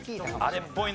「あれっぽい」？